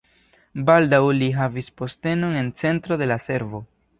Baldaŭ li havis postenon en centro de la servo.